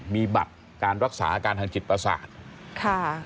มีบัตรการรักษาอาการทางจิตประสาทค่ะ